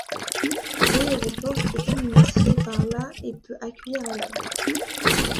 L'aéroport est administré par la et peut accueillir à l'heure.